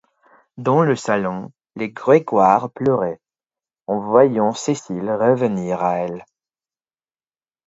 Dans le salon, les Grégoire pleuraient, en voyant Cécile revenir à elle.